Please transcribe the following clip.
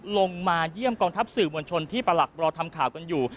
ลงมาเยี่ยมกองทัพสื่อมวลชนที่ประหลักรอทำข่าวกันอยู่